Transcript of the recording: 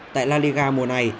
tại la liga mùa này